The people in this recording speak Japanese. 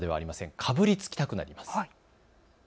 かぶりつきたくなります。